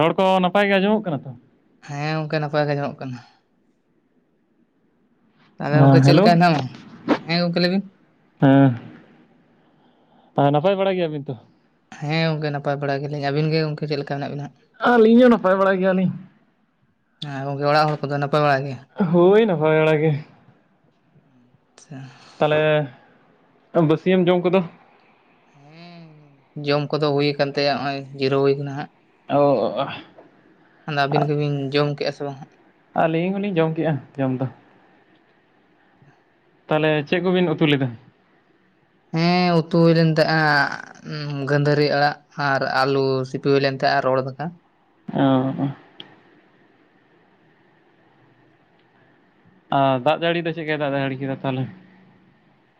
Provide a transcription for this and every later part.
ᱨᱚᱲ ᱠᱚ ᱱᱟᱯᱟᱭ ᱜᱮ ᱟᱸᱡᱚᱢᱚᱜ ᱠᱟᱱᱟ ᱛᱚ ᱦᱮᱸ ᱜᱚᱝᱠᱮ ᱱᱟᱯᱟᱭ ᱜᱮ ᱟᱸᱡᱚᱢᱚᱜ ᱠᱟᱱᱟ ᱛᱟᱦᱚᱞᱮ ᱜᱚᱢᱠᱮ ᱦᱮᱸ ᱪᱮᱫ ᱦᱮᱞᱳ ᱞᱮᱠᱟ ᱦᱮᱱᱟᱢᱟ ᱦᱮᱸ ᱜᱚᱝᱠᱮ ᱞᱮᱭ ᱵᱤᱱ ᱦᱮᱸ ᱱᱟᱯᱟᱭ ᱵᱟᱲᱟ ᱜᱮᱭᱟ ᱵᱤᱱ ᱛᱚ? ᱦᱮᱸ ᱜᱚᱝᱠᱮ ᱱᱟᱯᱟᱭ ᱵᱟᱲᱟ ᱜᱮ ᱞᱤᱧ ᱟᱹᱵᱤᱱ ᱜᱮ ᱜᱚᱢᱠᱮ ᱪᱮᱫ ᱞᱮᱠᱟ ᱢᱮᱱᱟᱜ ᱵᱤᱱᱟ ᱦᱟᱸᱜ? ᱟᱞᱤᱧ ᱦᱚᱸ ᱱᱟᱯᱟᱭ ᱵᱟᱲᱟ ᱜᱮᱭᱟ ᱞᱤᱧ᱾ ᱦᱮᱸ ᱜᱚᱝᱠᱮ ᱚᱲᱟᱜ ᱦᱚᱲ ᱠᱚᱫᱚ ᱱᱟᱯᱟᱭ ᱵᱟᱲᱟ ᱜᱮ? ᱦᱳᱭ ᱱᱟᱯᱟᱭ ᱵᱟᱲᱟ ᱜᱮ᱾ ᱟᱪᱪᱷᱟ ᱛᱟᱞᱮ ᱵᱟᱹᱥᱭᱟᱹᱢ ᱡᱚᱢ ᱠᱚᱫᱚ ᱦᱮᱸ ᱡᱚᱢ ᱠᱚᱫᱚ ᱦᱩᱭ ᱠᱟᱱ ᱛᱟᱭᱟ ᱱᱚᱜᱼᱚᱭ ᱡᱤᱨᱟᱹᱣ ᱦᱩᱭ ᱠᱟᱱᱟ ᱦᱟᱸᱜ᱾ ᱚ ᱟᱣ ᱟᱫᱚ ᱟᱹᱵᱤᱱ ᱜᱮᱵᱤᱱ ᱡᱚᱢ ᱠᱮᱜᱼᱟ ᱥᱮ ᱵᱟᱝ ᱦᱟᱸᱜ? ᱟᱹᱞᱤᱧ ᱦᱚᱸᱞᱤᱧ ᱡᱚᱢ ᱠᱮᱜᱼᱟ ᱡᱚᱢ ᱫᱚ᱾ ᱛᱟᱦᱚᱞᱮ ᱪᱮᱫ ᱠᱚᱵᱤᱱ ᱩᱛᱩ ᱞᱮᱫᱟ? ᱦᱮᱸ ᱩᱛᱩ ᱦᱩᱭ ᱞᱮᱱ ᱛᱟᱦᱮᱸᱜᱼᱟ ᱜᱟᱹᱫᱷᱟᱹᱨᱤ ᱟᱲᱟᱜ ᱟᱨ ᱟᱹᱞᱩ ᱥᱤᱯᱤ ᱦᱩᱭ ᱞᱮᱱ ᱛᱟᱦᱮᱸᱫ ᱟ ᱨᱚᱦᱚᱲ ᱫᱟᱠᱟ ᱚ ᱟᱨ ᱫᱟᱜ ᱡᱟᱹᱲᱤ ᱫᱚ ᱪᱮᱫᱠᱟᱭ ᱫᱟᱜ ᱡᱟᱹᱲᱤ ᱠᱮᱫᱟ ᱛᱟᱦᱚᱞᱮ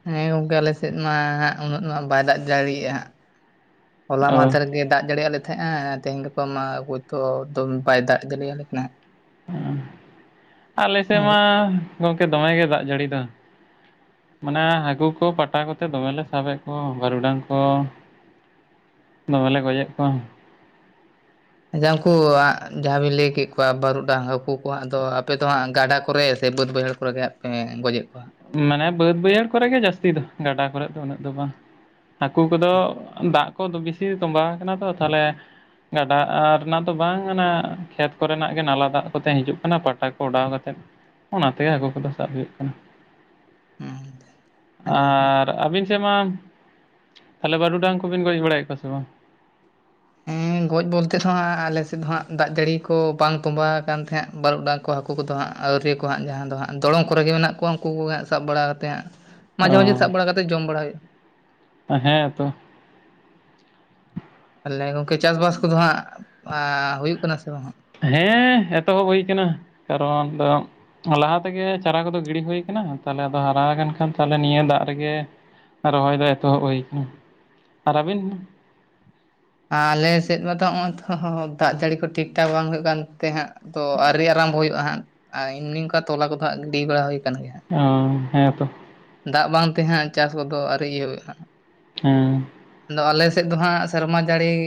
ᱦᱮᱸ ᱜᱚᱝᱠᱮ ᱟᱞᱮ ᱥᱮᱫ ᱢᱟ ᱦᱟᱸᱜ ᱩᱱᱟᱹᱜ ᱢᱟ ᱵᱟᱭ ᱫᱟᱜ ᱡᱟᱲᱤᱭᱮᱜᱼᱟ ᱦᱟᱸᱜ ᱦᱚᱞᱟ ᱚ ᱢᱟᱫᱷᱮᱨ ᱜᱮ ᱫᱟᱜ ᱡᱟᱹᱲᱤ ᱟᱞᱮ ᱦᱮᱸᱜ ᱮ ᱛᱮᱦᱮᱧ ᱜᱟᱯᱟ ᱢᱟ ᱵᱟᱹᱭᱫᱷᱚ ᱵᱟᱭ ᱫᱟᱜ ᱡᱟᱹᱲᱤᱭᱟ ᱞᱮ ᱠᱟᱱᱟ᱾ ᱟᱞᱮ ᱥᱮᱫ ᱦᱟᱸᱜ ᱢᱟ ᱜᱚᱝᱠᱮ ᱫᱚᱢᱮ ᱜᱮ ᱫᱟᱜ ᱡᱟᱹᱲᱤᱭ ᱫᱟ᱾ ᱢᱟᱱᱮ ᱦᱟᱹᱠᱩ ᱠᱚ ᱯᱟᱴᱟ ᱠᱚᱛᱮ ᱫᱚᱢᱮ ᱞᱮ ᱥᱟᱵᱮᱫ ᱠᱚᱣᱟ ᱵᱟᱹᱨᱩᱰᱟᱝ ᱠᱚ ᱫᱚᱢᱮ ᱞᱮ ᱜᱚᱡᱮᱫ ᱠᱚᱣᱟ᱾ ᱟᱪᱪᱷᱟ ᱩᱱᱠᱩ ᱟᱜ ᱡᱟᱦᱟᱸ ᱵᱤᱱ ᱞᱟᱹᱭ ᱠᱮᱫ ᱠᱚᱣᱟ ᱵᱟᱹᱨᱩ ᱰᱟᱝ ᱦᱟᱹᱠᱩ ᱠᱚᱣᱟᱜ ᱫᱚ ᱟᱯᱮ ᱫᱚ ᱦᱟᱸᱜ ᱜᱟᱰᱟ ᱠᱚᱨᱮ ᱥᱮ ᱵᱟᱹᱫ ᱵᱟᱹᱭᱦᱟᱹᱲ ᱠᱚᱨᱮ ᱯᱩᱨᱟᱹ ᱦᱟᱸᱜ ᱜᱚᱡᱮᱫ ᱠᱚᱣᱟ ᱢᱟᱱᱮ ᱵᱟᱹᱫ ᱵᱟᱹᱭᱦᱟᱹᱲ ᱠᱚᱨᱮ ᱜᱮ ᱡᱟᱹᱥᱛᱤ ᱫᱚ ᱜᱟᱰᱟ ᱠᱚᱨᱮ ᱫᱚ ᱩᱱᱟᱹᱜ ᱫᱚ ᱵᱟᱝ᱾ ᱦᱟᱹᱠᱩ ᱠᱚᱫᱚ ᱫᱟᱜ ᱠᱚ ᱫᱚ ᱵᱮᱥᱤ ᱛᱚᱸᱢᱵᱟᱣ ᱟᱠᱟᱱᱟ ᱛᱚ ᱛᱟᱦᱚᱞᱮ ᱜᱟᱰᱟ ᱟᱨ ᱚᱱᱟ ᱫᱚ ᱵᱟᱝ ᱟᱱᱟ ᱠᱷᱮᱛ ᱠᱚᱨᱮᱱᱟᱜ ᱜᱮ ᱱᱟᱞᱟ ᱫᱟᱜ ᱠᱚᱛᱮ ᱦᱤᱡᱩᱜ ᱠᱟᱱᱟ ᱯᱟᱴᱟ ᱠᱚ ᱚᱰᱟᱣ ᱠᱟᱛᱮ᱾ ᱚᱱᱟ ᱛᱮ ᱦᱟᱹᱠᱩ ᱠᱚᱫᱚ ᱥᱟᱵ ᱦᱩᱭᱩᱜ ᱠᱟᱱᱟ᱾ ᱦᱟᱸᱜ? ᱟᱹᱰᱤ ᱱᱟᱯᱟᱭ ᱟᱨ ᱟᱹᱵᱤᱱ ᱥᱮᱫ ᱢᱟ ᱛᱟᱦᱚᱞᱮ ᱵᱟᱹᱨᱩᱰᱟᱝ ᱠᱚᱵᱮᱱ ᱜᱚᱡ ᱵᱟᱲᱟᱭᱮᱫ ᱠᱚᱣᱟ ᱥᱮ ᱵᱟᱝ ᱩᱹ ᱜᱚᱡ ᱵᱚᱞᱛᱮ ᱫᱚ ᱦᱟᱸᱜ ᱟᱞᱮᱥᱮᱫ ᱫᱚ ᱦᱟᱸᱜ ᱫᱟᱜ ᱡᱟᱹᱲᱤ ᱠᱚ ᱵᱟᱝ ᱛᱚᱸᱵᱟᱣ ᱟᱠᱟᱱ ᱛᱟᱦᱮᱸᱫ ᱵᱟᱹᱨᱩ ᱰᱟᱝ ᱠᱚ ᱦᱟᱹᱠᱩ ᱠᱚᱫᱚ ᱦᱟᱸᱜ [unintelligible] ᱟᱹᱣᱨᱤᱭᱟᱹᱠᱚ ᱦᱟᱸᱜ ᱡᱟᱦᱟᱸ ᱫᱚ ᱦᱟᱸᱜ ᱫᱚᱲᱚᱢ ᱠᱚᱨᱮᱜᱮ ᱢᱮᱱᱟᱜ ᱠᱚᱣᱟ ᱩᱱᱠᱩ ᱠᱚᱜᱮ ᱦᱟᱸᱜ ᱥᱟᱵ ᱵᱟᱲᱟ ᱠᱟᱛᱮᱜ ᱦᱟᱸᱜ ᱢᱟᱡᱷᱮ ᱢᱟᱡᱷᱮ ᱥᱟᱵ ᱵᱟᱲᱟ ᱠᱟᱛᱮ ᱡᱚᱢ ᱵᱟᱲᱟ ᱦᱩᱭᱩᱜᱼᱟ᱾ ᱚᱸ ᱦᱮᱸᱛᱚ᱾ ᱛᱟᱦᱞᱮ ᱜᱚᱢᱠᱮ ᱪᱟᱥ ᱵᱟᱥ ᱠᱚᱫᱚ ᱦᱟᱸᱜ ᱮ ᱦᱩᱭᱩᱜ ᱠᱟᱱᱟ ᱥᱮ ᱵᱟᱝ ᱦᱟᱜ? ᱦᱮᱸ ᱮᱛᱚᱦᱚᱵ ᱦᱩᱭ ᱠᱟᱱᱟ ᱠᱟᱨᱚᱱ ᱫᱚ ᱞᱟᱦᱟ ᱛᱮᱜᱮ ᱪᱟᱨᱟ ᱠᱚᱫᱚ ᱜᱤᱰᱤ ᱦᱩᱭ ᱟᱠᱟᱱᱟ ᱛᱟᱦᱞᱮ ᱟᱫᱚ ᱦᱟᱨᱟ ᱟᱠᱟᱱ ᱠᱷᱟᱱ ᱛᱟᱦᱞᱮ ᱱᱤᱭᱟᱹ ᱫᱟᱜ ᱨᱮᱜᱮ ᱨᱚᱦᱚᱭ ᱫᱚ ᱮᱛᱚᱦᱚᱵ ᱦᱩᱭ ᱟᱠᱟᱱᱟ ᱟᱨ ᱟᱹᱵᱤᱱ? ᱟᱞᱮᱥᱮᱫ ᱢᱟᱛᱚ ᱦᱚᱜᱼᱚᱭ ᱛᱷᱚ ᱫᱟᱜ ᱡᱟᱹᱲᱤ ᱠᱚ ᱴᱷᱤᱠ ᱴᱷᱟᱠ ᱵᱟᱝ ᱦᱩᱭᱩᱜ ᱠᱟᱱᱛᱮ ᱦᱟᱸᱜ ᱛᱚ ᱟᱹᱣᱨᱤ ᱟᱨᱟᱢᱵᱷ ᱦᱩᱭᱩᱜᱼᱟ ᱦᱟᱸᱜ ᱟ [unintelligible] ᱱᱤᱝᱠᱟ ᱛᱚᱞᱟ ᱠᱚᱫᱚ ᱦᱟᱜ ᱜᱤᱰᱤ ᱵᱟᱲᱟ ᱦᱩᱭ ᱟᱠᱟᱱ ᱜᱮᱭᱟ ᱦᱟᱸᱜ᱾ ᱚ ᱦᱮᱸ ᱛᱚ᱾ ᱫᱟᱜ ᱵᱟᱝ ᱛᱮᱦᱟᱸᱜ ᱪᱟᱥ ᱠᱚᱫᱚ ᱟᱨᱤ ᱤᱭᱟᱹ ᱦᱩᱭᱩᱜᱼᱟ [inaudible] ᱦᱟᱸᱜ ᱦᱮᱸ ᱟᱫᱚ ᱟᱞᱮ ᱥᱮᱫ ᱫᱚ ᱦᱟᱸᱜ ᱥᱮᱨᱢᱟ ᱡᱟᱹᱲᱤ ᱮ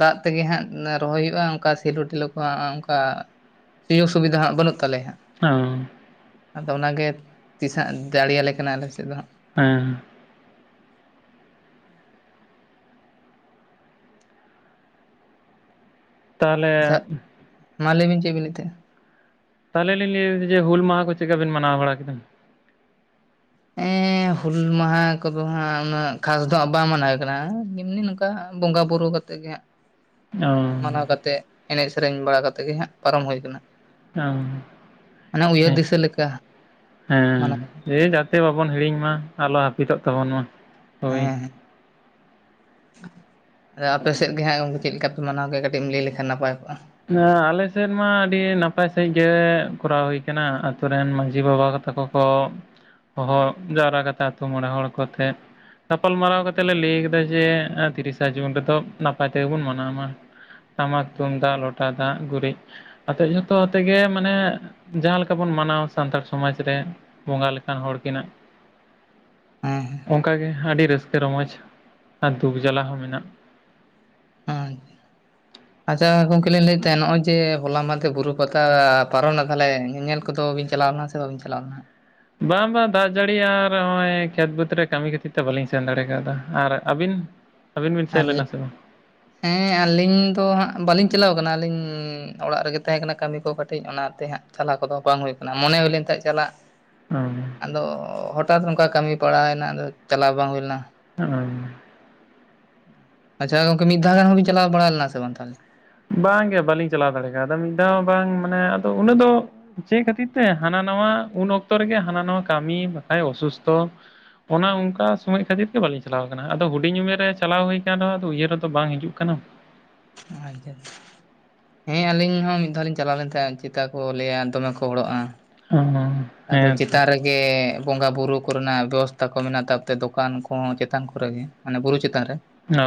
ᱫᱟᱜ ᱛᱮᱜᱮ ᱦᱟᱸᱜ ᱨᱚᱦᱚᱭ ᱦᱩᱭᱩᱜᱼᱟ ᱚᱱᱠᱟ ᱥᱮᱞᱳ ᱴᱤᱞᱚ ᱠᱚ ᱦᱟᱜ ᱚᱱᱠᱟ ᱥᱤᱭᱩᱜᱽ ᱥᱩᱵᱤᱫᱷᱟ ᱦᱟᱸ ᱵᱟᱹᱱᱩᱜ ᱛᱟᱞᱮᱭᱟ᱾ ᱟᱺᱣ ᱟᱫᱚ ᱚᱱᱟᱜᱮ ᱛᱤᱥᱦᱟᱜ ᱡᱟᱲᱮᱭᱟᱞᱮ ᱠᱟᱱᱟ ᱟᱞᱮ ᱥᱮᱫ ᱫᱚ ᱦᱟᱸᱜ᱾ ᱦᱮᱸ ᱟᱪᱪᱷᱟ ᱛᱟᱦᱚᱞᱮ ᱢᱟ ᱞᱟᱹᱭᱵᱤᱱ ᱪᱮᱫ ᱵᱤᱱ ᱞᱟᱹᱭᱮᱫ ᱛᱟᱦᱮᱫ? ᱛᱟᱦᱚᱞᱮ ᱞᱤᱧ ᱞᱧᱟᱹᱭᱟ [inaudible] ᱡᱮ ᱦᱩᱞ ᱢᱟᱦᱟ ᱠᱚ ᱪᱤᱠᱟᱹ ᱵᱤᱱ ᱢᱟᱱᱟᱣ ᱵᱟᱲᱟ ᱠᱮᱫᱟ? ᱮᱻᱻ ᱦᱩᱞ ᱢᱟᱦᱟ ᱠᱚᱫᱚ ᱦᱟᱸᱜ ᱩᱱᱟᱹᱜ ᱠᱷᱟᱥ ᱫᱚᱜ ᱵᱟᱝ ᱢᱟᱱᱟᱶ ᱠᱟᱱᱟ ᱮᱢᱱᱤ [inaudible] ᱱᱚᱝᱠᱟ ᱵᱚᱸᱜᱟ ᱵᱩᱨᱩ ᱠᱟᱛᱮ [unintelligible] ᱜᱮ ᱦᱟᱸ ᱚ ᱢᱟᱱᱟᱶ ᱠᱟᱛᱮ ᱮᱱᱮᱡ ᱥᱮᱨᱮᱧ ᱵᱟᱲᱟ ᱠᱟᱛᱮᱫ ᱜᱮ ᱦᱟᱸᱜ ᱯᱟᱨᱚᱢ ᱦᱩᱭ ᱠᱟᱱᱟ᱾ ᱚ ᱢᱟᱱᱮ ᱩᱭᱦᱟᱹᱨ ᱦᱮᱸ ᱫᱤᱥᱟᱹ ᱞᱮᱠᱟ ᱢᱟᱱᱟᱣ ᱠᱟᱛᱮ᱾ ᱦᱮᱸ [unintelligible] ᱛᱮ ᱵᱟᱵᱚᱱ ᱦᱤᱲᱤᱧ ᱢᱟ ᱟᱞᱚ ᱦᱟᱹᱯᱤᱫᱚᱜ ᱛᱟᱵᱚᱱ ᱢᱟ᱾ ᱦᱳᱭ ᱦᱮᱸᱮᱸ ᱟᱫᱚ ᱟᱯᱮ ᱥᱮᱫ ᱜᱮ ᱦᱟᱸᱜ ᱜᱚᱢᱠᱮ ᱪᱮᱫ ᱞᱮᱠᱟ ᱯᱮ ᱢᱫᱮ ᱢᱟᱱᱟᱣ ᱠᱮᱜᱼᱟ ᱠᱟᱹᱴᱤᱡ ᱮᱢ ᱞᱟᱹᱭ ᱞᱮᱠᱷᱟᱱ ᱱᱟᱯᱟᱭ ᱠᱚᱜᱼᱟ ᱟᱞᱮ ᱥᱮᱫ ᱢᱟ ᱟᱹᱰᱤ ᱱᱟᱯᱟᱭ ᱥᱟᱺᱦᱤᱡ ᱜᱮ ᱠᱚᱨᱟᱣ ᱦᱩᱭ ᱟᱠᱟᱱᱟ ᱟᱛᱳ ᱨᱮᱱ ᱢᱟᱺᱡᱷᱤ ᱵᱟᱵᱟ ᱠᱚ ᱛᱟᱠᱚ ᱠᱚ ᱦᱚᱦᱚ ᱡᱟᱣᱨᱟ ᱠᱟᱛᱮ ᱟᱛᱳ ᱢᱚᱬᱮ ᱦᱚᱲ ᱠᱚᱛᱮ ᱜᱟᱯᱟᱞ ᱢᱟᱨᱟᱣ ᱠᱟᱛᱮᱜ ᱞᱮ ᱞᱟᱹᱭ ᱠᱮᱫᱟ ᱡᱮ ᱛᱤᱨᱤᱥᱟ ᱡᱩᱱ ᱨᱮᱫᱚ ᱱᱟᱯᱟᱭ ᱛᱮᱜᱮ ᱵᱚᱱ ᱢᱟᱱᱟᱣᱢᱟ᱾ ᱴᱟᱢᱟᱠ ᱛᱩᱢᱫᱟᱜ ᱞᱚᱴᱟ ᱫᱟᱜ ᱜᱩᱨᱤᱡ ᱟᱛᱮᱫ ᱡᱚᱛᱚ ᱟᱛᱮ ᱜᱮ ᱢᱟᱱᱮ ᱡᱟᱦᱟᱸ ᱞᱮᱠᱟ ᱵᱚᱱ ᱢᱟᱱᱟᱣ ᱥᱟᱱᱛᱟᱲ ᱥᱚᱢᱟᱡᱽ ᱨᱮ ᱵᱚᱸᱜᱟ ᱞᱮᱠᱟᱱ ᱦᱚᱲᱠᱤᱱᱟᱜ ᱦᱮᱸ ᱚᱱᱠᱟ ᱜᱮ ᱟᱹᱰᱤ ᱨᱟᱹᱥᱠᱟᱹ ᱨᱚᱢᱚᱡᱽ ᱟᱨ ᱫᱩᱠ ᱡᱟᱞᱟ ᱦᱚᱸ ᱢᱮᱱᱟᱜ ᱟᱸᱪ ᱪᱷᱟ ᱟᱪᱪᱷᱟ ᱜᱚᱢᱠᱮ ᱞᱤᱧ ᱞᱟᱹᱭᱮᱫ ᱛᱟᱦᱮᱸᱫ ᱱᱚᱜᱼᱚᱭ ᱡᱮ ᱦᱚᱞᱟ ᱢᱟᱦᱫᱮ ᱵᱩᱨᱩ ᱯᱟᱛᱟ ᱯᱟᱨᱚᱢᱮᱱᱟ ᱛᱟᱦᱚᱞᱮ ᱧᱮᱸᱧᱮᱸᱞ ᱠᱚ ᱪᱟᱞᱟ ᱞᱮᱱᱟ ᱥᱮ ᱵᱟᱵᱤᱱ ᱪᱟᱞᱟᱣ ᱞᱮᱱᱟ ᱵᱟᱝ ᱵᱟᱝ ᱫᱟᱜ ᱡᱟᱹᱲᱤ ᱟᱨ ᱱᱚᱜᱼᱚᱭ ᱠᱷᱮᱛ ᱵᱟᱹᱫᱽ ᱨᱮ ᱠᱟᱹᱢᱤ ᱠᱷᱟᱹᱛᱤᱨ ᱛᱮ ᱵᱟᱹᱞᱤᱧ ᱥᱮᱱ ᱫᱟᱲᱮ ᱠᱟᱣᱫᱟ ᱟᱨ ᱟᱹᱵᱤᱱ ᱟᱹᱵᱤᱱ ᱵᱤᱱ ᱟᱨ ᱥᱮᱱ ᱞᱮᱱᱟ ᱥᱮ ᱵᱟᱝ? ᱦᱮᱸ ᱟᱹᱞᱤᱧ ᱫᱚ ᱦᱟᱸᱟᱜ ᱵᱟᱹᱞᱤᱧ ᱪᱟᱞᱟᱣ ᱟᱠᱟᱱᱟ ᱟᱞᱤᱧ ᱚᱲᱟᱜ ᱨᱮᱜᱮ ᱛᱟᱦᱮᱸ ᱠᱟᱱᱟ ᱠᱟᱹᱢᱤ ᱠᱚ ᱠᱟᱹᱴᱤᱡ ᱚᱱᱟᱛᱮ ᱦᱟᱸᱜ ᱪᱟᱞᱟᱣ ᱠᱚᱫᱚ ᱵᱟᱝ ᱦᱩᱭ ᱠᱟᱱᱟ ᱢᱚᱱᱮ ᱦᱩᱭ ᱞᱮᱱ ᱛᱟᱦᱮᱸᱡ ᱪᱟᱞᱟᱜ ᱦᱚᱸ [inaudible] ᱟᱫᱚ ᱦᱚᱴᱟᱛ ᱱᱚᱝᱠᱟ ᱠᱟᱹᱢᱤ ᱯᱟᱲᱟᱣᱮᱱᱟ ᱟᱫᱚ ᱪᱟᱞᱟᱣ ᱵᱟᱝ ᱦᱩᱭᱞᱱᱟ᱾ ᱦᱚ [unintelligible] ᱟᱪᱷᱟ ᱜᱚᱝᱠᱮ ᱢᱤᱫ ᱫᱷᱟ ᱜᱟᱱ ᱦᱚᱸᱵᱤᱱ ᱪᱟᱞᱟᱣ ᱵᱟᱲᱟ ᱞᱮᱱᱟ ᱥᱮ ᱵᱟᱝ ᱛᱟᱦᱚᱞᱮ? ᱵᱟᱝᱜᱮ ᱵᱟᱟᱹᱞᱤᱧ ᱪᱟᱞᱟᱣ ᱫᱟᱲᱮᱠᱟᱣᱫᱟ ᱢᱤᱫᱫᱷᱟᱣ ᱦᱚ ᱵᱟᱝ ᱢᱟᱱᱮ ᱟᱫᱚ ᱩᱱᱟᱹᱜ ᱫᱚ ᱪᱮᱫ ᱠᱷᱟᱹᱛᱤᱨ ᱛᱮ ᱦᱟᱱᱟ ᱱᱟᱶᱟ ᱩᱱ ᱚᱠᱛᱚ ᱨᱮᱜᱮ ᱦᱟᱱᱟ ᱱᱟᱶᱟ ᱠᱟᱹᱢᱤ ᱵᱟᱠᱷᱟᱡ ᱚᱥᱩᱥᱛᱷᱚ? ᱚᱱᱟ ᱚᱱᱠᱟ ᱥᱚᱢᱚᱭ ᱠᱷᱟᱹᱛᱤᱨ ᱜᱮ ᱵᱟᱞᱤᱧ ᱪᱟᱞᱟᱣ ᱟᱠᱟᱱᱟ ᱟᱫᱚ ᱦᱩᱰᱤᱧ ᱩᱢᱮᱨ ᱨᱮ ᱪᱟᱞᱟᱣ ᱦᱩᱭ ᱟᱠᱟᱱ ᱨᱮᱦᱚᱸ ᱟᱫᱚ ᱩᱭᱦᱟᱹᱨ ᱨᱮᱫᱚ ᱵᱟᱝ ᱦᱤᱡᱩᱜ ᱠᱟᱱᱟ ᱟ [unintelligible] ᱦᱮᱸ ᱟᱞᱤᱧ ᱦᱚᱸ ᱢᱤᱫ ᱫᱷᱟᱣ ᱞᱤᱧ ᱪᱟᱞᱟᱣ ᱞᱮᱱ ᱛᱟᱦᱮᱸ ᱪᱮᱛᱟ ᱠᱚ ᱞᱟᱹᱭᱟ ᱫᱚᱢᱮ ᱠᱚ ᱦᱚᱲᱚᱜᱼᱟ ᱚᱸᱼᱦᱚᱸ ᱟᱫᱚ ᱪᱮᱛᱟᱨ ᱨᱮ ᱜᱮ ᱵᱚᱸᱜᱟ ᱵᱩᱨᱩ ᱠᱚᱨᱮᱱᱟᱜ ᱵᱮᱵᱚᱥᱛᱷᱟ ᱠᱚ ᱢᱮᱱᱟᱜ ᱛᱟᱯᱮ ᱫᱚᱠᱟᱱ ᱠᱚᱸ ᱪᱮᱛᱟᱱ ᱠᱚᱨᱮ ᱜᱮ ᱢᱟᱱᱮ ᱵᱩᱨᱩ ᱪᱮᱛᱟᱱ ᱨᱮ ᱚ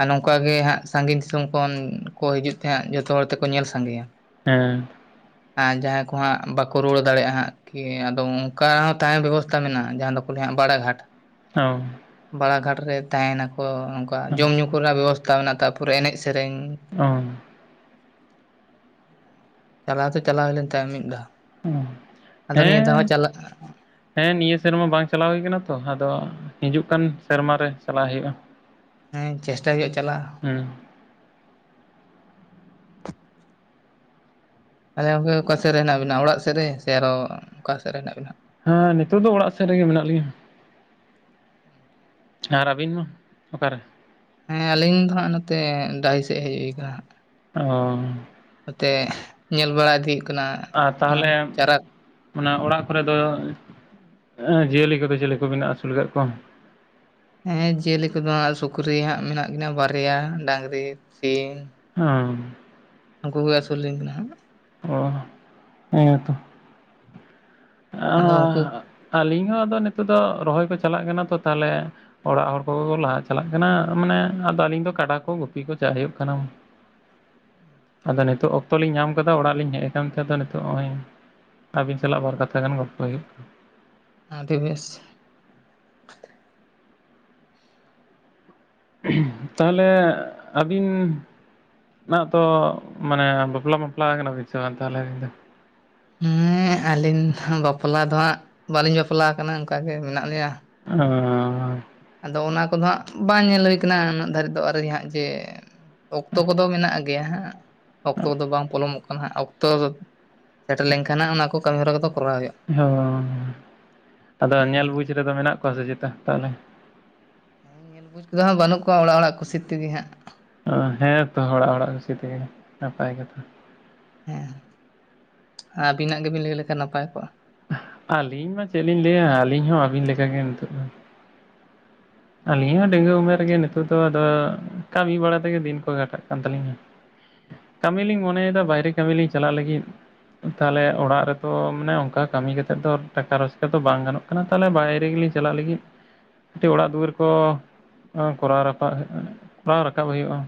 ᱟᱨ ᱱᱚᱝᱠᱟ ᱜᱮ ᱦᱟᱸᱜ ᱥᱟᱺᱜᱤᱧ ᱫᱤᱥᱚᱢ ᱠᱷᱚᱱ ᱠᱚ ᱦᱤᱡᱩᱜ ᱛᱮᱦᱟᱜ ᱡᱚᱛᱚ ᱦᱚᱲ ᱛᱮᱠᱚ ᱧᱮᱞ ᱥᱟᱸᱜᱮᱭᱟ ᱦᱮᱸ ᱟᱨ ᱡᱟᱦᱟᱸᱭ ᱠᱚ ᱦᱟᱸᱜ ᱵᱟᱠᱚ [unintelligible] ᱫᱟᱲᱮᱭᱟᱜᱼᱟ ᱦᱟᱸᱜ ᱠᱤ ᱟᱫᱚ ᱚᱱᱠᱟ ᱦᱚᱸ ᱛᱟᱦᱮᱸ ᱵᱮᱵᱚᱥᱛᱟ ᱢᱮᱱᱟᱜᱼᱟ ᱡᱟᱦᱟᱸ ᱫᱚᱠᱚ ᱞᱟᱹᱭᱟ ᱵᱟᱲᱟ ᱜᱷᱟᱴ [unintelligible] ᱵᱟᱲᱟ ᱜᱷᱟᱴ ᱨᱮ ᱛᱟᱦᱮᱱᱟᱠᱚ ᱱᱚᱝᱠᱟ ᱡᱚᱢ ᱧᱩ ᱠᱚᱨᱮᱱᱟᱜ ᱵᱮᱵᱚᱥᱛᱷᱟ ᱢᱮᱱᱟᱜᱼᱟ ᱛᱟᱯᱚᱨᱮ ᱮᱱᱮᱡ ᱥᱮᱨᱮᱧ ᱚ ᱪᱟᱞᱟᱣ ᱛᱮ ᱪᱟᱞᱟᱣ ᱦᱩᱭ ᱞᱮᱱ ᱛᱟᱭᱚᱢ ᱢᱤᱫ ᱫᱷᱟᱣ ᱚᱸ ᱟᱫᱚ ᱱᱤᱭᱟᱹ ᱫᱷᱟᱣ ᱦᱮᱸ ᱦᱚᱸ ᱪᱟᱞᱟᱜ ᱦᱮᱸ ᱱᱤᱭᱟᱹ ᱥᱮᱨᱢᱟ ᱵᱟᱝ ᱪᱟᱞᱟᱣ ᱦᱩᱭ ᱠᱟᱱᱟ ᱛᱚ ᱟᱫᱚ ᱦᱤᱡᱩᱜ ᱠᱟᱱ ᱥᱮᱨᱢᱟ ᱨᱮ ᱪᱟᱞᱟᱜ ᱦᱩᱭᱩᱜᱼᱟ ᱦᱮᱸ ᱪᱮᱥᱴᱟᱭ ᱦᱩᱭᱩᱜᱼᱟ ᱪᱟᱞᱟᱜ ᱦᱩᱸ ᱟᱪᱷᱟ ᱜᱚᱝᱠᱮ ᱚᱠᱟᱥᱮᱫ ᱨᱮ ᱦᱮᱱᱟᱜ ᱵᱤᱱᱟ ᱚᱲᱟᱜ ᱥᱮᱫ ᱨᱮ ᱥᱮ ᱟᱨᱚ ᱚᱠᱟ ᱥᱮᱫ ᱨᱮ ᱦᱮᱱᱟᱜ ᱵᱤᱱᱟ ᱦᱮᱸ ᱱᱤᱛᱚᱜ ᱫᱚ ᱚᱲᱟᱜ ᱥᱮᱫ ᱨᱮᱜᱮ ᱢᱮᱱᱟᱜ ᱞᱤᱧᱟ ᱟᱨ ᱨᱵᱤᱱ ᱦᱚ ᱚᱠᱟᱨᱮ ᱦᱮᱸ ᱟᱹᱞᱤᱧ ᱫᱚ ᱦᱟᱸᱜ ᱱᱚᱛᱮ ᱰᱟᱹᱦᱤ ᱥᱮᱫ ᱦᱮᱡ ᱦᱩᱭ ᱟᱠᱟᱱᱟ ᱦᱟᱸᱜ ᱚᱻ ᱱᱚᱛᱮ ᱧᱮᱞ ᱵᱟᱲᱟ ᱤᱫᱤᱜ ᱟᱨ ᱛᱟᱦᱞᱮ ᱚᱱᱟ ᱚᱲᱟᱜ ᱠᱚᱨᱮ ᱫᱚ ᱡᱤᱭᱟᱹᱞᱤ ᱠᱚᱫᱚ ᱪᱮᱞᱤ ᱠᱚᱵᱮᱱ ᱟᱹᱥᱩᱞ ᱟᱠᱟᱫ ᱠᱚᱣᱟ ᱦᱮᱸ ᱡᱤᱭᱟᱹᱞᱤ ᱠᱚᱫᱚ ᱥᱩᱠᱨᱤ ᱦᱟᱸᱜ ᱢᱮᱱᱟᱜ ᱠᱤᱱᱟᱹ ᱵᱟᱨᱭᱟ ᱰᱟᱝᱨᱤ ᱥᱤᱢ ᱚᱣ ᱩᱱᱠᱩ ᱜᱮ ᱟᱹᱥᱩᱞᱤᱧ ᱠᱟᱱᱟ ᱦᱟᱸᱜ ᱚ ᱦᱮᱸ ᱛᱚ ᱟᱻ ᱟᱫᱚ ᱩᱱᱠᱩ ᱟᱹᱞᱤᱧ ᱦᱚᱸ ᱟᱫᱚ ᱱᱤᱛᱚᱜ ᱫᱚ ᱨᱚᱦᱚᱭ ᱠᱚ ᱪᱟᱞᱟᱜ ᱠᱟᱱᱟ ᱛᱚ ᱛᱟᱦᱞᱮ ᱚᱲᱟᱜ ᱦᱚᱲ ᱠᱚᱜᱮ ᱠᱚ ᱞᱟᱦᱟ ᱪᱟᱞᱟᱜ ᱠᱟᱱᱟ ᱢᱟᱱᱮ ᱟᱫᱚ ᱟᱹᱞᱤᱧ ᱫᱚ ᱠᱟᱰᱟ ᱠᱚ ᱜᱩᱯᱤ ᱠᱚ ᱪᱟᱜ ᱦᱩᱭᱩᱜ ᱠᱟᱱᱟ ᱟᱫᱚ ᱱᱤᱛᱳᱜ ᱚᱠᱛᱚ ᱞᱤᱧ ᱧᱟᱢ ᱠᱟᱫᱟ ᱚᱲᱟᱜ ᱞᱤᱧ ᱦᱮᱡ ᱟᱠᱟᱱ ᱛᱮ ᱟᱫᱚ ᱱᱤᱛᱚᱜ ᱦᱚᱸᱜ ᱚᱭ ᱟᱹᱵᱤᱱ ᱥᱟᱞᱟᱜ ᱵᱟᱨ ᱠᱟᱛᱷᱟ ᱜᱟᱱ ᱜᱚᱞᱯᱚ ᱦᱩᱭᱩᱜ ᱠᱟᱱᱟ ᱟᱫᱤ ᱵᱮᱥ [unintelligible] ᱛᱟᱦᱞᱮ ᱟᱹᱵᱤᱱ ᱱᱟᱜ ᱛᱚ ᱢᱟᱱᱮ ᱵᱟᱯᱞᱟ ᱵᱟᱯᱞᱟ ᱟᱠᱟᱱᱟ ᱮᱱ ᱥᱮ ᱵᱟᱝ ᱛᱟᱦᱞᱮ ᱟᱵᱤᱱ ᱫᱚ ᱦᱮᱸ ᱟᱹᱞᱤᱧ ᱵᱟᱯᱞᱟ ᱫᱚ ᱦᱜ ᱵᱟᱹᱞᱤᱧ ᱵᱟᱯᱞᱟ ᱟᱠᱟᱱᱟ ᱚᱱᱠᱟᱜ ᱜᱮ ᱢᱮᱱᱟᱜ ᱞᱤᱧᱟ ᱟᱺᱻ ᱟᱫᱚ ᱚᱱᱟ ᱠᱚᱫᱚ ᱦᱟᱸᱜ ᱵᱟᱝ ᱧᱮᱞ ᱦᱩᱭ ᱠᱟᱱᱟ ᱩᱱᱟᱹᱜ ᱫᱷᱟᱹᱨᱤᱡ ᱫᱚ ᱟᱹᱨᱤ ᱦᱟᱸᱜ ᱡᱮ ᱚᱠᱛᱚ ᱠᱚᱫᱚ ᱢᱮᱱᱟᱜᱼᱟ ᱜᱮᱭᱟ ᱦᱟᱸᱜ ᱚᱠᱛᱚ ᱠᱚᱫᱚ ᱵᱟᱝ ᱯᱚᱞᱚᱢᱚᱜ ᱠᱟᱱᱟ ᱦᱟᱜ ᱚᱠᱛᱚ ᱥᱮᱴᱮᱨ ᱞᱮᱱᱠᱷᱟᱱ ᱦᱟᱜ ᱚᱱᱟ ᱠᱚ ᱠᱟᱹᱢᱤᱦᱚᱨᱟ ᱠᱚᱫᱚ ᱠᱚᱨᱟᱣ ᱦᱩᱭᱩᱜᱼᱟ ᱚᱸ ᱟᱫᱚ ᱧᱮᱞ ᱵᱩᱡᱽ ᱨᱮᱫᱚ ᱢᱮᱱᱟᱜ ᱠᱚᱣᱟ ᱥᱮ ᱪᱮᱛᱟ ᱛᱟᱦᱞᱮ ᱦᱮᱸ ᱧᱮᱞ ᱵᱩᱡᱽ ᱠᱚᱫᱚ ᱦᱟᱜ ᱵᱟᱹᱱᱩᱜ ᱠᱚᱣᱟ ᱚᱲᱟᱜ ᱚᱲᱟᱜ ᱠᱩᱥᱤ ᱛᱮᱜᱮ ᱦᱟᱸᱜ ᱚ ᱦᱮᱸᱛᱚ ᱦᱚᱲᱟᱜ ᱚᱲᱟᱜ ᱠᱩᱥᱤ ᱛᱮᱜᱮ ᱱᱟᱯᱟᱭ ᱠᱟᱛᱷᱟ ᱦᱮᱸ ᱟᱹᱵᱤᱱᱟᱜ ᱜᱮᱵᱤᱱ ᱞᱟᱹᱭ ᱞᱮᱠᱷᱟᱱ ᱱᱟᱯᱟᱭ ᱠᱚᱜᱼᱟ ᱟᱹᱞᱤᱧ ᱢᱟ ᱪᱮᱫ ᱞᱤᱧ ᱞᱟᱹᱭᱟ ᱟᱹᱞᱤᱧ ᱦᱚᱸ ᱟᱹᱵᱤᱱ ᱞᱮᱠᱟᱜᱮ ᱱᱤᱛᱚᱜ ᱫᱚ᱾ ᱟᱹᱞᱤᱧ ᱦᱚᱸ ᱰᱟᱹᱝᱣᱟᱹ ᱩᱢᱮᱨ ᱨᱮᱜᱮ ᱱᱤᱛᱚᱜ ᱫᱚ ᱟᱫᱚ ᱠᱟᱹᱢᱤ ᱵᱟᱲᱟ ᱛᱮᱜᱮ ᱫᱤᱱ ᱠᱚ ᱜᱷᱟᱴᱟᱜ ᱠᱟᱱ ᱛᱟᱹᱞᱤᱧᱟ ᱠᱟᱹᱢᱤ ᱞᱤᱧ ᱢᱚᱱᱮᱭᱮᱫᱟ ᱵᱟᱭᱨᱮ ᱠᱟᱹᱢᱤ ᱞᱤᱧ ᱪᱟᱞᱟᱜ ᱞᱟᱹᱜᱤᱫ ᱛᱟᱦᱚᱞᱮ ᱚᱲᱟᱜ ᱨᱮᱫᱚ ᱢᱟᱱᱮ ᱚᱱᱠᱟ ᱠᱟᱹᱢᱤ ᱠᱟ ᱠᱟᱛᱮᱫ ᱫᱚ ᱴᱟᱠᱟ ᱨᱳᱡᱽᱜᱟᱨ ᱫᱚ ᱵᱟᱝ ᱜᱟᱱᱚᱜ ᱠᱟᱱᱟ ᱛᱟᱦᱚᱞᱮ ᱵᱟᱭᱨᱮ ᱜᱮᱞᱤᱧ ᱪᱟᱞᱟᱜ ᱞᱟᱹᱜᱤᱫ ᱠᱟᱹᱴᱤᱡ ᱚᱲᱟᱜ ᱫᱩᱣᱟᱹᱨ ᱠᱚ ᱠᱚᱨᱟᱣ ᱨᱟᱠᱟᱵ ᱠᱚᱨᱟᱣ ᱨᱟᱠᱟᱵ ᱦᱩᱭᱩᱜᱼᱟ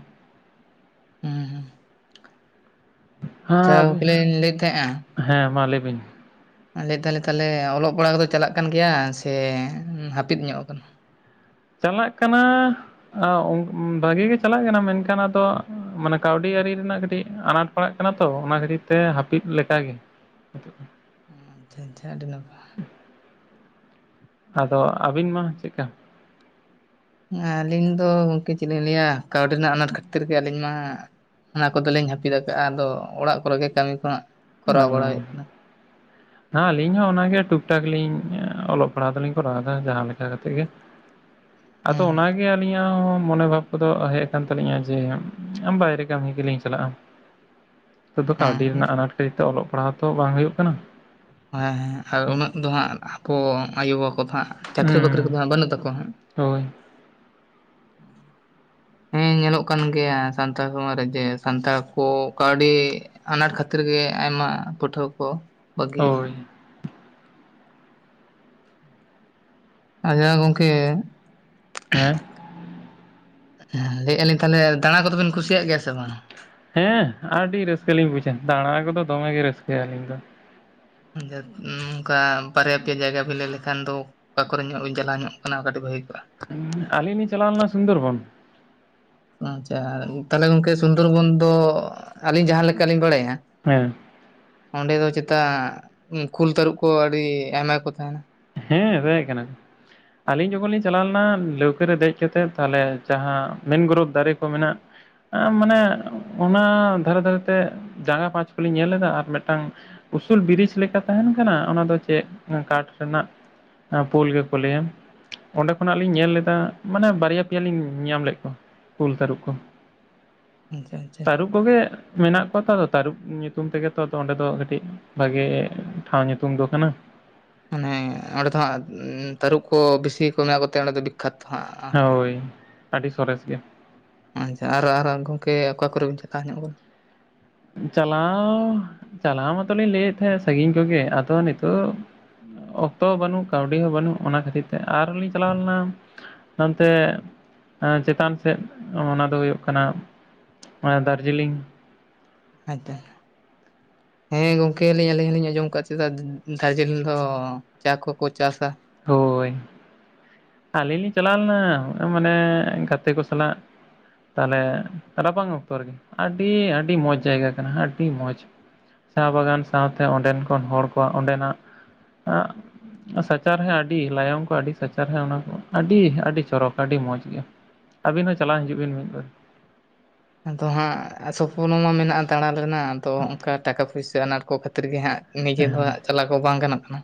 ᱦᱩᱸ ᱦᱩᱸ ᱟᱪᱪᱷᱟ ᱦᱮᱸ ᱜᱚᱢᱠᱮᱞᱤᱧ ᱞᱟᱹᱭᱮᱫ ᱛᱟᱦᱮᱸᱡᱼᱟ ᱦᱮᱸ ᱢᱟ ᱞᱟᱹᱭ ᱵᱤᱱ ᱞᱟᱹᱭ ᱫᱟᱞᱮ ᱛᱟᱦᱞᱮ ᱚᱞᱚᱜ ᱯᱟᱲᱦᱟᱣ ᱠᱚᱫᱚ ᱪᱟᱞᱟᱜ ᱠᱟᱱ ᱜᱮᱭᱟ ᱥᱮ ᱦᱟᱹᱯᱤᱫ ᱧᱚᱜ ᱠᱟᱱᱟ ᱪᱟᱞᱟᱜ ᱠᱟᱱᱟ ᱵᱷᱟᱹᱜᱤ ᱜᱮ ᱪᱟᱞᱟᱜ ᱠᱟᱱᱟ ᱢᱮᱱᱠᱷᱟᱱ ᱟᱫᱚ ᱢᱟᱱᱮ ᱠᱟᱹᱣᱰᱤ ᱟᱹᱨᱤ ᱨᱮᱱᱟᱜ ᱠᱟᱹᱴᱤᱡ ᱟᱱᱟᱴ ᱯᱟᱲᱟᱜ ᱠᱟᱱᱟ ᱛᱚ ᱚᱱᱟ ᱠᱷᱟᱹᱛᱤᱨ ᱛᱮ ᱦᱟᱹᱯᱤᱫᱠᱟᱜᱮ ᱟᱪᱷᱟ ᱪᱷᱟ ᱟ. ᱰᱤ ᱱᱟᱯᱟᱭ ᱟᱫᱚ ᱟᱹᱵᱤᱱ ᱢᱟ ᱪᱮᱫᱠᱟ ᱟᱹᱞᱤᱧ ᱫᱚ ᱜᱚᱢᱠᱤ ᱪᱮᱫ ᱞᱤᱧ ᱞᱟᱹᱭᱟ ᱠᱟᱹᱣᱰᱤ ᱨᱮᱱᱟᱜ ᱟᱱᱟᱴ ᱠᱷᱟᱹᱛᱤᱨ ᱜᱮ ᱟᱹᱞᱤᱧ ᱢᱟ ᱚᱱᱟ ᱠᱚᱫᱚᱞᱤᱧ ᱦᱟᱹᱯᱤᱫ ᱠᱟᱜᱼᱟ ᱟᱫᱚ ᱚᱲᱟᱜ ᱠᱚᱨᱮᱜᱮ ᱠᱟᱹᱢᱤ ᱠᱚ ᱠᱚᱨᱟᱣ ᱵᱟᱲᱟᱭᱮᱫ ᱠᱟᱱᱟ ᱦ ᱟᱹᱞᱤᱧ ᱦᱚᱸ ᱚᱱᱟᱜᱮ ᱴᱩᱠ ᱴᱟᱠ ᱞᱤᱧ ᱚᱞᱚᱜ ᱯᱟᱲᱦᱟᱜ ᱫᱚᱞᱤᱧ ᱠᱚᱨᱟᱣᱫᱟ ᱡᱟᱦᱟᱸ ᱞᱮᱠᱟ ᱠᱟᱛᱮᱜ ᱜᱮ [inaudible] ᱟᱫᱚ ᱦᱮᱸ ᱚᱱᱟᱜᱮ ᱟᱹᱞᱤᱧᱟᱜ ᱦᱚᱸ ᱢᱚᱱᱮ ᱵᱷᱟᱵ ᱠᱚᱫᱚ ᱦᱮᱡ ᱟᱠᱟᱱ ᱛᱟᱹᱞᱤᱧᱟ ᱡᱮ ᱟ ᱵᱟᱭᱨᱮ ᱠᱟᱹᱢᱤ ᱜᱮᱞᱤᱧ ᱪᱟᱞᱟᱜᱼᱟ ᱟᱫᱚ ᱦᱮᱸ ᱠᱟᱹᱣᱰᱤ ᱦᱮᱸ ᱨᱮᱱᱟᱜ ᱟᱱᱟᱴ ᱠᱟᱹᱨᱤᱛᱮ ᱚᱞᱚᱜ ᱯᱟᱲᱦᱟᱜ ᱛᱚ ᱵᱟᱝ ᱦᱩᱭᱩᱜ ᱠᱟᱱᱟ ᱦᱮᱸ ᱦᱮᱸ ᱟᱨ ᱩᱱᱟᱹᱜ ᱫᱚ ᱦᱟᱸᱜ ᱟᱵᱚ ᱟᱭᱩᱵᱟᱵᱟ ᱠᱚᱫᱚ ᱦᱟᱸᱜ ᱪᱟᱹᱠᱨᱤ ᱵᱟᱹᱠᱨᱤ ᱦᱩᱸ ᱠᱚᱫᱚ ᱦᱟᱸᱜ ᱵᱟᱹᱱᱩᱜ ᱛᱟᱠᱚᱣᱟ ᱦᱟᱸᱜ ᱦᱳᱭ ᱦᱮᱸ ᱧᱮᱞᱚᱜ ᱠᱟᱱ ᱜᱮᱭᱟ ᱥᱟᱱᱛᱟᱲ ᱥᱚᱢᱟᱡᱽ ᱨᱮ ᱡᱮ ᱥᱟᱱᱛᱟᱲ ᱠᱚ ᱠᱟᱹᱣᱰᱤ ᱟᱱᱟᱴ ᱠᱷᱟᱹᱛᱤᱨ ᱜᱮ ᱟᱭᱢᱟ ᱯᱟᱹᱴᱷᱩᱣᱟᱹ ᱠᱚ ᱵᱟᱹᱜᱤᱭᱮᱜᱼᱟ ᱦᱳᱭ ᱟᱪᱪᱷᱟ ᱜᱚᱝᱠᱮ ᱦᱮᱸ ᱦᱮᱸ ᱞᱟᱹᱭ ᱮᱫ ᱼᱟ ᱛᱟᱦᱚᱞᱮ ᱫᱟᱬᱟ ᱠᱚᱫᱚᱵᱤᱱ ᱠᱩᱥᱤᱭᱟᱜ ᱜᱮᱭᱟ ᱥᱮ ᱵᱟᱝ ᱦᱮᱸ ᱟᱹᱰᱤ ᱨᱟᱹᱥᱠᱟᱹ ᱞᱤᱧ ᱵᱩᱡᱟ ᱫᱟᱬᱟ ᱠᱚᱫᱚ ᱫᱚᱢᱮ ᱜᱮ ᱨᱟᱹᱥᱠᱟᱹ ᱟᱹᱞᱤᱧ ᱫᱚ ᱚᱱᱠᱟ ᱵᱟᱨᱭᱟ ᱯᱮᱭᱟ ᱡᱟᱭᱜᱟ ᱵᱤᱱ ᱞᱟᱹᱭ ᱞᱮᱠᱷᱟᱱ ᱫᱚ ᱚᱠᱟ ᱠᱚᱨᱮ ᱧᱚᱜ ᱵᱤᱱ ᱪᱟᱞᱟᱣ ᱧᱚᱜ ᱠᱟᱱᱟ ᱠᱟᱹᱴᱤᱡ ᱵᱷᱟᱜᱮ ᱠᱚᱜᱼᱟ ᱟᱞᱤᱧᱞᱤᱧ ᱪᱟᱞᱟᱣ ᱞᱮᱱᱟ ᱥᱩᱱᱫᱚᱨᱵᱚᱱ ᱟᱪᱪᱷᱟ ᱛᱟᱦᱚᱞᱮ ᱜᱚᱝᱠᱮ ᱥᱩᱱᱫᱚᱨᱵᱚᱱ ᱫᱚ ᱟᱹᱞᱤᱧ ᱡᱟᱦᱟᱸᱮ ᱞᱮᱠᱟᱞᱤᱧ ᱵᱟᱲᱟᱭᱟ ᱦᱮᱸ ᱚᱸᱰᱮ ᱫᱚ ᱪᱮᱛᱟ ᱠᱷᱩᱞ ᱛᱟᱹᱨᱩᱵ ᱠᱚ ᱟᱹᱰᱤ ᱟᱭᱢᱟ ᱠᱚ ᱛᱟᱦᱮᱱᱟ ᱦᱮᱸ ᱛᱟᱦᱮᱡ ᱠᱟᱱᱟ ᱠᱚ ᱟᱹᱞᱤᱧ ᱡᱚᱠᱷᱚᱱ ᱞᱤᱧ ᱪᱟᱞᱟᱣ ᱞᱮᱱᱟ ᱞᱟᱹᱣᱠᱟᱹ ᱨᱮ ᱫᱮᱡ ᱠᱟᱛᱮᱫ ᱛᱟᱦᱚᱞᱮ ᱡᱟᱦᱟᱸ ᱢᱮᱱ ᱜᱨᱚᱯᱷ ᱫᱟᱨᱮ ᱠᱚ ᱢᱮᱱᱟᱜ ᱢᱟᱱᱮ ᱚᱱᱟ ᱫᱷᱟᱨᱮ ᱫᱷᱟᱨᱮ ᱛᱮ ᱡᱟᱸᱜᱟ ᱯᱟᱸᱪ ᱠᱚᱞᱤᱧ ᱧᱮᱞ ᱞᱮᱫᱟ ᱟᱨ ᱢᱤᱫᱴᱟᱝ ᱩᱥᱩᱞ ᱵᱨᱤᱡᱽ ᱞᱮᱠᱟ ᱛᱟᱦᱮᱱ ᱠᱟᱱᱟ ᱚᱱᱟ ᱫᱚ ᱪᱮᱫ ᱠᱟᱴ ᱨᱮᱱᱟᱜ ᱯᱳᱞ ᱜᱮᱠᱚ ᱞᱟᱹᱭᱟ ᱚᱸᱰᱮ ᱠᱷᱚᱱᱟᱜ ᱞᱤᱧ ᱧᱮᱞ ᱞᱮᱫᱟ ᱢᱟᱱᱮ ᱵᱟᱨᱭᱟ ᱯᱮᱭᱟ ᱞᱤᱧ ᱧᱟᱢ ᱞᱮᱫ ᱠᱚᱣᱟ ᱠᱩᱞ ᱛᱟᱹᱨᱩᱵ ᱠᱚ ᱟᱪᱪᱷᱟ ᱟᱪᱪᱷᱟ ᱛᱟᱹᱨᱩᱵ ᱠᱚᱜᱮ ᱢᱮᱱᱟᱜ ᱠᱚᱣᱟ ᱛᱚ ᱛᱟᱹᱨᱩᱵᱽ ᱧᱩᱛᱩᱢ ᱛᱮᱜᱮ ᱛᱚ ᱚᱸᱰᱮ ᱫᱚ ᱠᱟᱹᱴᱤᱡ ᱵᱷᱟᱜᱤ ᱴᱷᱟᱶ ᱧᱩᱛᱩᱢ ᱫᱚ ᱠᱟᱱᱟ ᱢᱟᱱᱮ ᱚᱸᱰᱮ ᱫᱚ ᱦᱟᱸᱜ ᱛᱟᱹᱨᱩᱵ ᱠᱚ ᱵᱤᱥᱤ ᱠᱚ ᱢᱮᱱᱟᱜ ᱠᱚᱛᱮ ᱚᱸᱰᱮ ᱫᱚ ᱠᱟᱛᱷᱟ ᱦᱳᱭ ᱟᱹᱰᱤ ᱥᱚᱨᱮᱥ ᱜᱮ ᱟᱪᱪᱷᱟ ᱟᱨ ᱟᱨ ᱜᱚᱝᱠᱮ ᱚᱠᱟ ᱠᱚᱨᱮ ᱵᱮᱱ ᱪᱟᱞᱟᱣ ᱧᱚᱜ ᱠᱟᱱᱟ ᱪᱟᱞᱟᱣ ᱪᱟᱞᱟᱣ ᱢᱟᱛᱚᱞᱤᱧ ᱞᱟᱹᱭᱮᱫ ᱛᱟᱦᱮᱸᱫ ᱥᱟᱺᱜᱤᱧ ᱠᱚᱜᱮ ᱟᱫᱚ ᱱᱤᱛᱚᱜ ᱚᱠᱛᱚ ᱦᱚᱸ ᱵᱟᱹᱱᱩᱜ ᱠᱟᱹᱣᱰᱤ ᱦᱚᱸ ᱵᱟᱹᱱᱩᱜ ᱚᱱᱟ ᱠᱷᱟᱹᱛᱤᱨ ᱛᱮ ᱟᱨᱦᱚᱸ ᱞᱤᱧ ᱪᱟᱞᱟᱣ ᱞᱮᱱᱟ ᱱᱚᱛᱮ ᱪᱮᱛᱟᱱ ᱥᱮᱫ ᱚᱱᱟ ᱫᱚ ᱦᱩᱭᱩᱜ ᱠᱟᱱᱟ ᱚᱱᱟ ᱫᱟᱨᱡᱤᱞᱤᱝ ᱦᱚᱭ ᱛᱚ᱾ ᱦᱮᱸ ᱜᱚᱝᱠᱮᱞᱤᱧ ᱟᱹᱞᱤᱧ ᱦᱚᱸᱞᱤᱧ ᱟᱸᱡᱚᱢ ᱟᱠᱟᱫᱟ ᱪᱮᱫᱟᱜ ᱫᱟᱨᱡᱤᱞᱤᱝ ᱫᱚ᱾ ᱪᱟ ᱠᱚᱠᱚ ᱪᱟᱥᱼᱟ᱾ ᱦᱳᱭ ᱟᱹᱞᱤᱧ ᱞᱤᱧ ᱪᱟᱞᱟᱣ ᱞᱮᱱᱟ ᱢᱟᱱᱮ ᱜᱟᱛᱮ ᱠᱚ ᱥᱟᱞᱟᱜ ᱛᱟᱦᱚᱞᱮ ᱨᱟᱵᱟᱝ ᱚᱠᱛᱚ ᱨᱮᱜᱮ ᱟᱹᱰᱤ ᱟᱹᱰᱤ ᱢᱚᱡᱽ ᱡᱟᱭᱜᱟ ᱠᱟᱱᱟ ᱟᱹᱰᱤ ᱢᱚᱡᱽ᱾ ᱪᱟ ᱵᱟᱜᱟᱱ ᱥᱟᱶᱛᱮ ᱚᱸᱰᱮᱱ ᱠᱷᱚᱱ ᱦᱚᱲ ᱠᱚᱣᱟᱜ ᱚᱸᱰᱮ ᱱᱟᱜ ᱥᱟᱪᱟᱨ ᱦᱮᱸ ᱟᱹᱰᱤ ᱞᱟᱭᱚᱝ ᱠᱚ ᱟᱹᱰᱤ ᱥᱟᱪᱟᱨᱦ ᱦᱮᱸ ᱚᱱᱟ ᱠᱚ ᱟᱹᱰᱤ ᱟᱹᱰᱤ ᱪᱚᱨᱚᱠ ᱟᱹᱰᱤ ᱢᱚᱸᱡᱽ ᱜᱮᱭᱟ᱾ ᱟᱹᱵᱤᱱ ᱦᱚᱸ ᱪᱟᱞᱟᱜ ᱦᱤᱡᱩᱜ ᱵᱤᱱ ᱢᱤᱫᱵᱟᱨ᱾ ᱟᱫᱚ ᱦᱟᱸᱜ ᱥᱚᱯᱱᱚ ᱢᱟ ᱢᱮᱱᱟᱜᱼᱟ ᱫᱟᱬᱟ ᱨᱮᱱᱟᱜ ᱟᱫᱚ ᱚᱱᱠᱟ ᱴᱟᱠᱟ ᱯᱩᱭᱥᱟᱹ ᱟᱱᱟᱴ ᱠᱚ ᱠᱷᱟᱹᱛᱤᱨ ᱜᱮ ᱦᱟᱸᱜ᱾ ᱱᱤᱡᱮ ᱫᱚᱟᱜ ᱪᱟᱞᱟᱣ ᱠᱚ ᱵᱟᱝ ᱜᱟᱱᱚᱜ ᱠᱟᱱᱟ᱾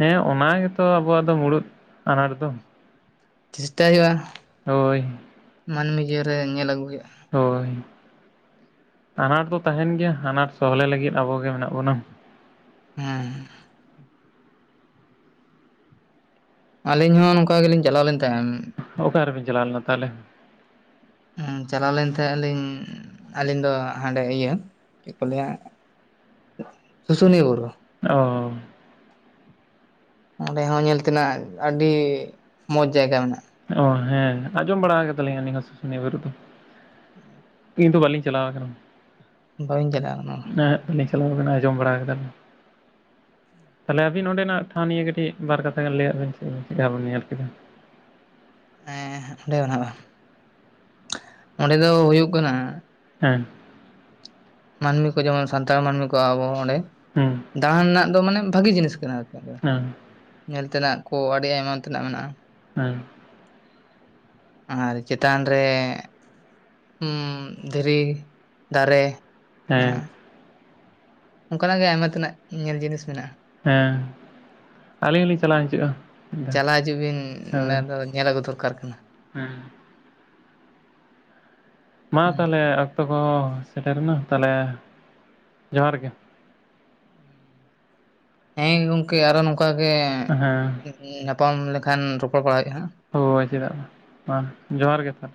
ᱦᱮᱸ ᱚᱱᱟ ᱜᱮᱛᱚ ᱟᱵᱚᱣᱟᱜ ᱫᱚ ᱢᱩᱲᱩᱫ ᱟᱱᱟᱴ ᱫᱚ᱾ ᱪᱮᱥᱴᱟᱭ ᱦᱩᱭᱩᱜᱼᱟ ᱦᱳᱭ ᱢᱟᱹᱱᱢᱤ ᱡᱤᱭᱚᱱ ᱨᱮ ᱧᱮᱞ ᱟᱹᱜᱩ ᱦᱩᱭᱩᱜᱼᱟ᱾ ᱦᱳᱭ ᱟᱱᱟᱴ ᱫᱚ ᱛᱟᱦᱮᱱ ᱜᱮᱭᱟ ᱟᱱᱟᱴ ᱥᱚᱦᱞᱮ ᱞᱟᱹᱜᱤᱫ ᱟᱵᱚ ᱜᱮ ᱢᱮᱱᱟᱜ ᱵᱚᱱᱟ᱾ ᱦᱮᱸ᱾ ᱟᱹᱞᱤᱧ ᱦᱚᱸ ᱱᱚᱝᱠᱟ ᱜᱮᱞᱤᱧ ᱪᱟᱞᱟᱣ ᱞᱮᱱ ᱛᱟᱦᱮᱸᱫ ᱚᱠᱟ ᱨᱮᱵᱤᱱ ᱪᱟᱞᱟᱣ ᱞᱮᱱᱟ ᱛᱟᱦᱚᱞᱮ? ᱪᱟᱞᱟᱣ ᱞᱮᱱ ᱛᱟᱦᱮᱸᱫ ᱞᱤᱧ ᱟᱹᱞᱤᱧ ᱫᱚ ᱦᱟᱸᱰᱮ ᱤᱭᱟᱹ ᱪᱮᱫ ᱠᱚ ᱞᱟᱹᱭᱼᱟ ᱦᱟᱸ ᱥᱩᱥᱩᱱᱤᱭᱟᱹ ᱵᱩᱨᱩ᱾ ᱚ᱾ ᱚᱸᱰᱮ ᱦᱚᱸ ᱧᱮᱞ ᱛᱮᱱᱟᱜ ᱟᱹᱰᱤ ᱢᱚᱡᱽ ᱡᱟᱭᱜᱟ ᱢᱮᱱᱟᱜᱼᱟ᱾ ᱚ ᱦᱮᱸ ᱟᱸᱡᱚᱢ ᱵᱟᱲᱟ ᱠᱟᱫᱟᱞᱤᱧ ᱟᱹᱞᱤᱧ ᱦᱚᱸ ᱥᱩᱥᱩᱱᱤᱭᱟᱹ ᱵᱩᱨᱩ ᱫᱚ᱾ [inaudible] ᱠᱤᱱᱛᱩ ᱵᱟᱹᱞᱤᱧ ᱪᱟᱞᱟᱣ ᱠᱟᱱᱟ ᱵᱟᱹᱞᱤᱧ ᱪᱟᱞᱟᱜ ᱠᱟᱱᱟ᱾ ᱮᱸᱫ [unintelligible] ᱟᱸᱡᱚᱢ ᱵᱟᱲᱟ ᱠᱟᱫᱟ ᱞᱤᱧ᱾ ᱛᱟᱦᱚᱞᱮ ᱟᱵᱤᱱ ᱱᱚᱸᱰᱮᱱᱟᱜ ᱴᱷᱟᱶ ᱱᱤᱭᱮ ᱠᱟᱹᱴᱤᱡ ᱵᱟᱨ ᱠᱟᱛᱷᱟ ᱜᱟᱱ ᱞᱟᱹᱭᱟᱜᱽ ᱵᱤᱱ ᱥᱮ ᱪᱮᱫ ᱞᱮᱠᱟ ᱵᱤᱱ ᱧᱮᱞ ᱠᱮᱫᱟ᱾ ᱚᱸᱰᱮ ᱢᱮᱱᱟᱜᱼᱟ ᱚᱸᱰᱮ ᱫᱚ ᱦᱩᱭᱩᱜ ᱠᱟᱱᱟ ᱦᱮᱸ ᱢᱟᱹᱱᱢᱤ ᱠᱚ ᱡᱮᱢᱚᱱ ᱥᱟᱱᱛᱟᱲ ᱢᱟᱹᱱᱢᱤ ᱠᱚ ᱟᱵᱚ ᱚᱸᱰᱮ ᱦᱩᱸ ᱫᱟᱬᱟᱱ ᱨᱮᱱᱟᱜ ᱫᱚ ᱢᱟᱱᱮ ᱵᱷᱟᱜᱤ ᱡᱤᱱᱤᱥ ᱠᱟᱱᱟ ᱟᱨᱠᱤ, ᱦᱮᱸ ᱧᱮᱞ ᱛᱮᱱᱟᱜ ᱠᱚ ᱟᱹᱰᱤ ᱟᱭᱢᱟ ᱛᱮᱱᱟᱜ ᱢᱮᱱᱟᱜᱼᱟ᱾ ᱦᱮᱸ ᱟᱨ ᱪᱮᱛᱟᱱ ᱨᱮ ᱦᱩᱸ ᱫᱷᱤᱨᱤ ᱫᱟᱨᱮ ᱢᱮᱱᱟᱜᱼᱟ ᱦᱮᱸ ᱚᱱᱠᱟᱱᱟᱜ ᱜᱮ ᱟᱭᱢᱟ ᱛᱮᱱᱟᱜ ᱧᱮᱞ ᱡᱤᱱᱤᱥ ᱢᱮᱱᱟᱜᱼᱟ᱾ ᱦᱮᱸ ᱟᱹᱞᱤᱧ ᱦᱚᱸ ᱞᱤᱧ ᱪᱟᱞᱟᱣ ᱦᱚᱤᱡᱚᱜᱼᱟ ᱪᱟᱞᱟᱣ ᱦᱤᱡᱩᱜ ᱵᱤᱱ ᱢᱤᱫᱷᱟᱣ ᱚᱱᱟ ᱦᱳᱭ᱾ ᱫᱚ ᱧᱮᱞ ᱟᱹᱜᱩ ᱫᱚᱨᱠᱟᱨ ᱠᱟᱱᱟ ᱦᱮᱸ ᱢᱟ ᱦᱩᱸ ᱛᱟᱦᱚᱞᱮ ᱚᱠᱛᱚ ᱠᱚ ᱥᱮᱴᱮᱨᱱᱟ ᱛᱟᱦᱚᱞᱮ ᱡᱚᱦᱟᱨ ᱜᱮ ᱦᱮᱸ ᱜᱚᱝᱠᱮ ᱟᱨᱚ ᱱᱚᱝᱠᱟ ᱜᱮ ᱦᱮᱸ [unintelligible] ᱧᱟᱯᱟᱢ ᱞᱮᱠᱷᱟᱱ ᱨᱚᱯᱚᱲ ᱵᱟᱲᱟ ᱦᱩᱭᱩ-ᱟ ᱱᱟᱦᱟᱸᱜ᱾ ᱦᱳᱭ ᱪᱮᱫᱟᱜ ᱢᱟ ᱢᱟ ᱡᱚᱦᱟᱨ ᱜᱮ ᱛᱟᱦᱞᱮ